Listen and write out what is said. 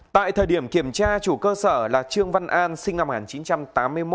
tại thời điểm kiểm tra chủ cơ sở là trương văn an sinh năm một nghìn chín trăm tám mươi một